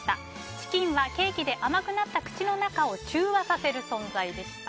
チキンはケーキで甘くなった口の中を中和させる存在でした。